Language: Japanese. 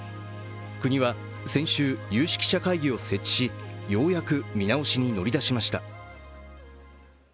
国は先週、有識者会議を設置しようやく見直しに乗り出しました。